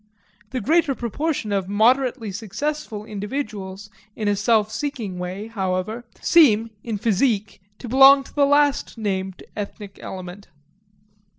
The greater proportion of moderately successful individuals, in a self seeking way, however, seem, in physique, to belong to the last named ethnic element.